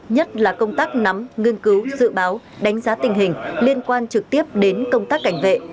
nhất là công tác nắm nghiên cứu dự báo đánh giá tình hình liên quan trực tiếp đến công tác cảnh vệ